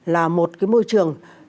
là một cái môi trường